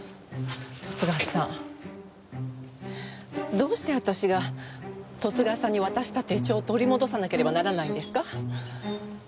十津川さんどうして私が十津川さんに渡した手帳を取り戻さなければならないんですか？